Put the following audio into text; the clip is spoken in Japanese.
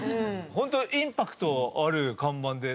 ホントインパクトある看板で。